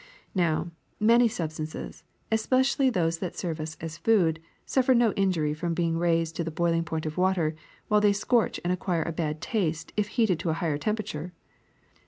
Now, many substances, espe cially those that serve us as food, suffer no injury from being raised to the boiling point of water, while they scorch and acquire a bad taste if heated to a higher temperature.